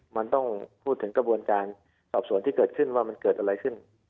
มันต้องพูดถึงกระบวนการสอบสวนที่เกิดขึ้นว่ามันเกิดอะไรขึ้น